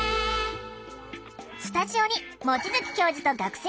スタジオに望月教授と学生たちが登場！